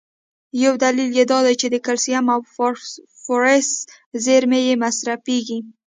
یو دلیل یې دا دی چې د کلسیم او فاسفورس زیرمي یې مصرفېږي.